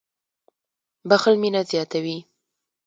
• بښل مینه زیاتوي.